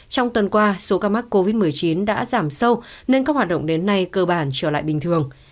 trong tuần qua số ca mắc covid một mươi chín đã giảm sâu nên các hoạt động đến nay cơ bản trở lại bình thường